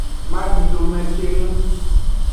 Madidome keng.